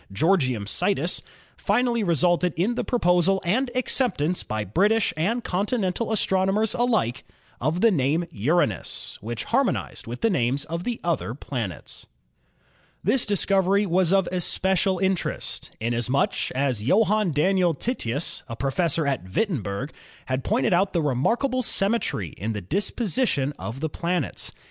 "Georgium Sidus," finally resulted in the proposal and ac ceptance by British and continental astronomers alike of the name Uranus, which harmonized with the names of the other planets. This discovery was of especial interest, inasmuch as Johann Daniel Titius (? i796), a professor at Wittenberg, had pointed out the remarkable symmetry in the disposi tion of the planets.